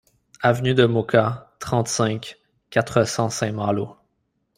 Avenue de Moka, trente-cinq, quatre cents Saint-Malo